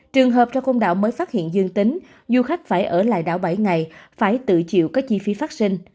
trường hợp trong côn đảo mới phát hiện dương tính du khách phải ở lại đảo bảy ngày phải tự chịu các chi phí phát sinh